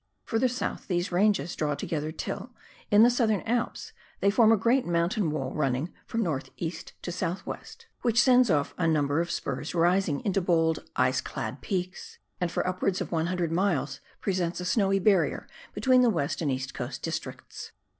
Further south these ranges draw together till, in the Southern Alps, they form a great mountain wall running from N.E. to S.W., which sends B 2 PIONEER WORK IN THE ALPS OF NEW ZEALAND. off a number of spurs rising into bold ice clad peaks, and for up wards of one hundred miles presents a snowy barrier between the West and East Coast districts.